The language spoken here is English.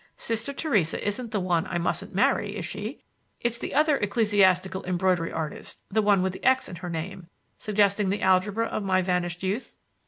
Sister Theresa isn't the one I mustn't marry, is she? It's the other ecclesiastical embroidery artist,—the one with the x in her name, suggesting the algebra of my vanishing youth."